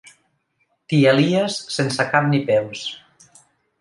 T'hi alies sense cap ni peus.